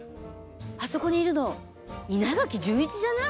あそこにいるの稲垣潤一じゃない？